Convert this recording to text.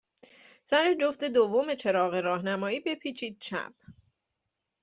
سر جفت دوم چراغ راهنمایی، بپیچید چپ.